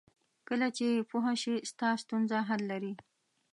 کله چې پوه شې ستا ستونزه حل لري.